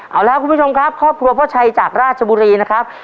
เอาล่ะคุณผู้ชมครับครอบครัวพ่อชัยจากราชบุรีนะครับ